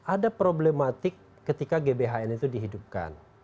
ada problematik ketika gbhn itu dihidupkan